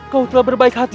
kau telah berbaik hati